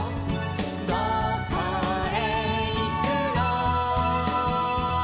「どこへいくの」